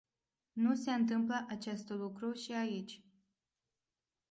Nu se întâmplă acest lucru și aici.